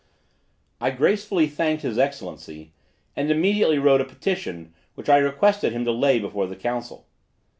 I gracefully thanked his Excellency, and immediately wrote a petition, which I requested him to lay before the Council.